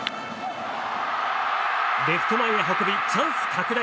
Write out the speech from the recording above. レフト前へ運びチャンス拡大。